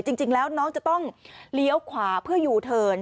จริงแล้วน้องจะต้องเลี้ยวขวาเพื่อยูเทิร์น